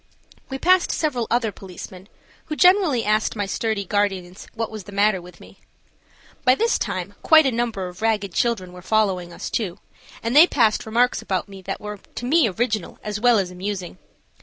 We passed several other policemen, who generally asked my sturdy guardians what was the matter with me. By this time quite a number of ragged children were following us too, and they passed remarks about me that were to me original as well as amusing.